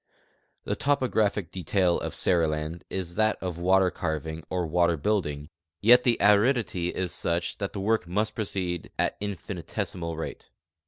The topographic detail of Seriland is that of water carving or water building, yet the aridity is such that the work must proceed at infinitesimal rate.